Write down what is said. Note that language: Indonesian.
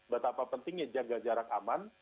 betapa pentingnya jaga jarak aman